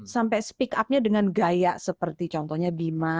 sampai speak up nya dengan gaya seperti contohnya bima